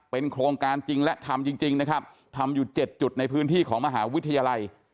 เป็นโครงการจริงและทำจริงนะครับทำอยู่๗จุดในพื้นที่ของมหาวิทยาลัย